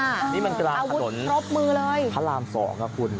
อาวุธพรบมือเลยอาวุธพรบมือเลยพระราม๒อ่ะคุณ